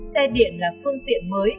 xe điện là phương tiện mới